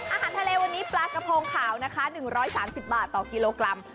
อาหารทะเลวันนี้ปลากระโพงขาวนะคะ๑๓๐บาทต่อกิโลกรัม